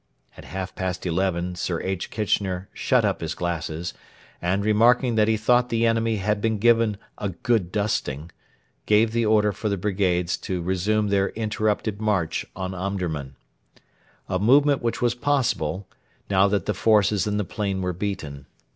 At half past eleven Sir H. Kitchener shut up his glasses, and, remarking that he thought the enemy had been given 'a good dusting,' gave the order for the brigades to resume their interrupted march on Omdurman a movement which was possible, now that the forces in the plain were beaten.